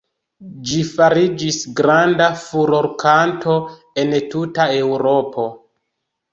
Ĝi fariĝis granda furorkanto en tuta Eŭropo.